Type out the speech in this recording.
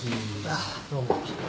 あっどうも。